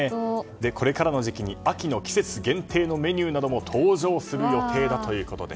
これからの時期に秋の季節限定のメニューなども登場する予定だということで。